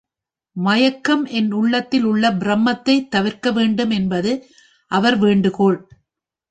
மயக்கம் என் உள்ளத்தில் உள்ள ப்ரமத்தைத் தவிர்க்க வேண்டும் என்பது அவர் வேண்டுகோள்.